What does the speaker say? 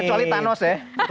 kecuali thanos ya